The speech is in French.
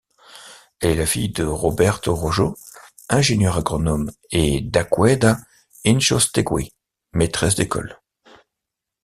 Elle est la fille de Roberto Rojo, ingénieur agronome et d'Águeda Incháustegui, maîtresse d'école.